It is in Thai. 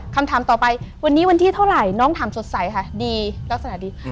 คำถามต่อไปวันนี้วันที่เท่าไหร่น้องถามสดใสค่ะดีลักษณะดี